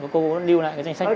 cô lưu lại cái danh sách này